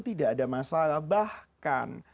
tidak ada masalah bahkan